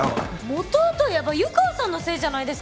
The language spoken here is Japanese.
本はといえば湯川さんのせいじゃないですか。